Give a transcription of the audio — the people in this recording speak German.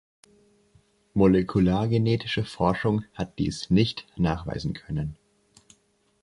Molekulargenetische Forschung hat dies nicht nachweisen können.